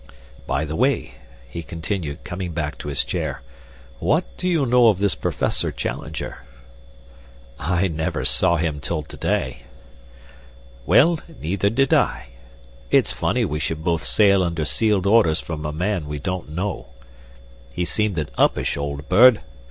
"By the way," he continued, coming back to his chair, "what do you know of this Professor Challenger?" "I never saw him till to day." "Well, neither did I. It's funny we should both sail under sealed orders from a man we don't know. He seemed an uppish old bird.